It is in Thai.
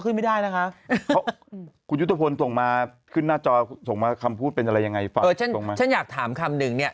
คุณหนู่ทะพนส่งมาขึ้นหน้าจอขึ้นมาขนาดยังไง